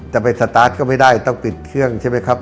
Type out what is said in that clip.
จะไปสตาร์ทก็ไม่ได้ต้องปิดเครื่องใช่ไหมครับ